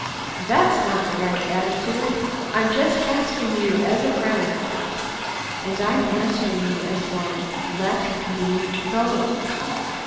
"That's not the right attitude. I'm just asking you as a friend " "And I'm answering you as one. Let me go!"